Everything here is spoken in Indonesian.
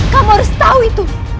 kamu harus tahu itu